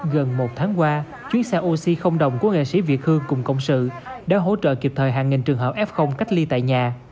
gần một tháng qua chuyến xe oxy đồng của nghệ sĩ việt hương cùng cộng sự đã hỗ trợ kịp thời hàng nghìn trường hợp f cách ly tại nhà